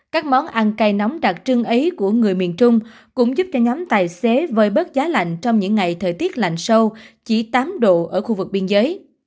các món ăn cay nóng đặc trưng ấy của người miền trung cũng giúp cho nhóm tài xế vơi bớt giá lạnh trong những ngày thời tiết lạnh sâu chỉ tám độ ở khu vực biên giới